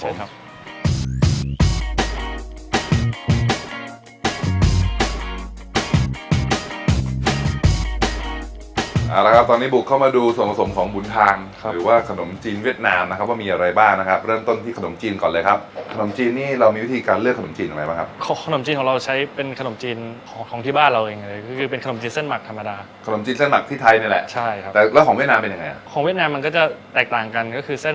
เอาละครับตอนนี้บุกเข้ามาดูส่วนผสมของบุญทางหรือว่าขนมจีนเวียดนามนะครับว่ามีอะไรบ้างนะครับเริ่มต้นที่ขนมจีนก่อนเลยครับขนมจีนนี่เรามีวิธีการเลือกขนมจีนอะไรบ้างครับขนมจีนของเราใช้เป็นขนมจีนของที่บ้านเราเองเลยก็คือเป็นขนมจีนเส้นหมักธรรมดาขนมจีนเส้นหมักที่ไทยนี่แหละใช่ครับแต่แล้วของเวียด